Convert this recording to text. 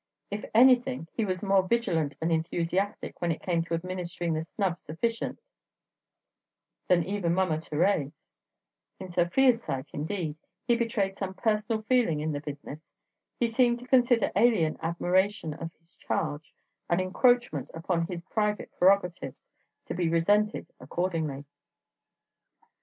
If anything he was more vigilant and enthusiastic when it came to administering the snub sufficient than even Mama Thérèse; in Sofia's sight, indeed, he betrayed some personal feeling in the business; he seemed to consider alien admiration of his charge an encroachment upon his private prerogatives, to be resented accordingly.